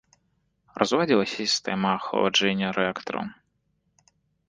Разладзілася сістэма ахаладжэння рэактараў.